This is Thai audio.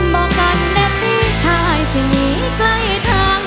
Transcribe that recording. บอกกันแน่เด้ถ้าไอ้สิ่งนี้ใกล้ทาง